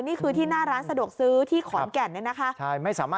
นี่คือที่หน้าร้านสะดวกซื้อที่ขอนแก่นเนี่ยนะคะ